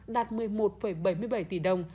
đạt một mươi một bảy mươi bảy tỷ đồng